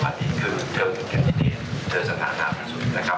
วันนี้คือเธอเป็นแคนดิเตรียมเธอสถานาภัยสุดนะครับ